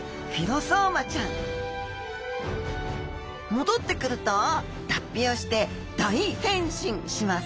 戻ってくると脱皮をして大変身します。